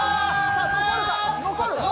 さあ残るか？